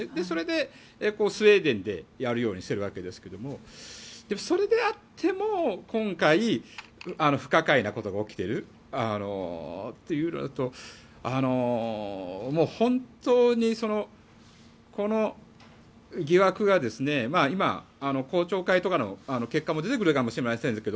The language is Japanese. それで、スウェーデンでやるようにしているわけですが。それであっても今回、不可解なことが起きているというのと本当にこの疑惑が今、公聴会とかの結果も出てくるかもしれません。